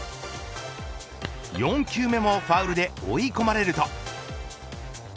４球目もファウルで追い込まれると。